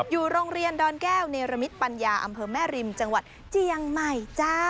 อยู่โรงเรียนดอนแก้วเนรมิตปัญญาอำเภอแม่ริมจังหวัดเจียงใหม่จ้า